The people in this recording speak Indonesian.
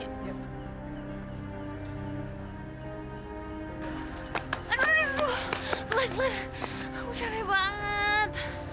aduh pelan pelan aku capek banget